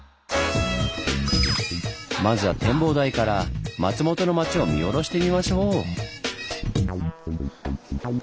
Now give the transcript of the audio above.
まずは展望台から松本の町を見下ろしてみましょう！